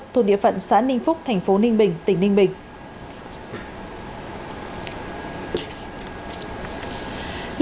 thuộc địa phận xã ninh phúc thành phố ninh bình tỉnh ninh bình